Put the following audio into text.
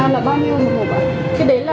à là bao nhiêu một hộp ạ